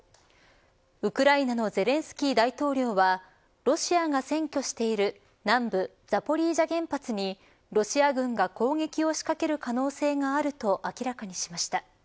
ウクライナのゼレンスキー大統領はロシアが占拠している南部ザポリージャ原発にロシア軍が攻撃を仕掛ける可能性があると明らかにしました。